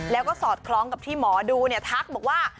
แล้วก็สอดคล้องกับที่หมอดูทักบอกว่า